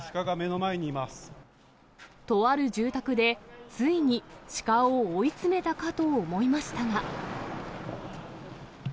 とある住宅で、ついにシカを追い詰めたかと思いましたが。